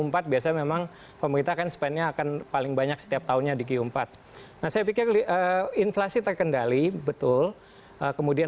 pemerintahan joko widodo